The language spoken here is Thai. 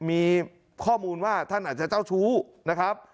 มีข้อมูลว่าท่านอาจจะเจ้าชู้นะครับ